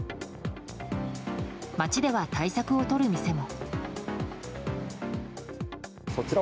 街では対策をとる店も。